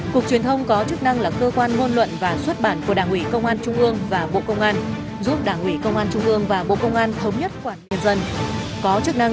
cục truyền thông có chức năng là cơ quan ngôn luận và xuất bản của đảng ủy công an trung ương và bộ công an giúp đảng ủy công an trung ương và bộ công an thống nhất quản nhân dân